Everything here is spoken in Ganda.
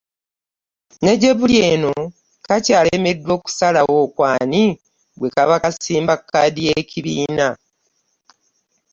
Ne gyebuli eno kakyalemeddwa okusalawo ku ani gwe kaba kasimba kkaadi y'ekibiina.